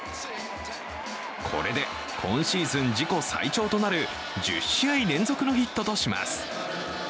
これで今シーズン自己最長となる１０試合連続のヒットとします。